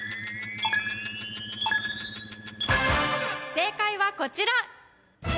正解は、こちら。